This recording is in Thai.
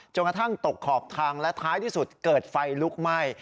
กระทั่งตกขอบทางและท้ายที่สุดเกิดไฟลุกไหม้